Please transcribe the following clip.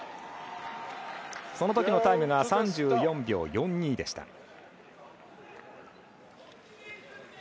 そのときのタイムが３４秒４２でした。